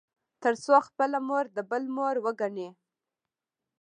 تـر څـو خـپله مـور د بل مور وګـني.